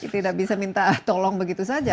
tidak bisa minta tolong begitu saja